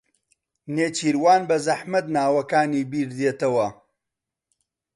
نێچیروان بەزەحمەت ناوەکانی بیردێتەوە.